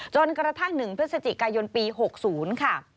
จนกระทั่ง๑พฤศจิกายนปี๖๐ค่ะ